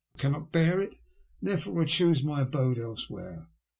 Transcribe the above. I cannot bear it, and therefore I choose my abode elsewhere.